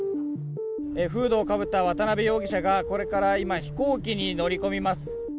フードをかぶった渡辺容疑者がこれから今、飛行機に乗り込みます。